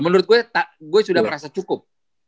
menurut gue gue sudah merasa cukup